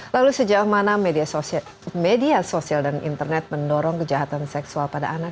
lalu sejauh mana media sosial dan internet mendorong kejahatan seksual pada anak